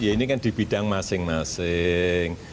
ya ini kan di bidang masing masing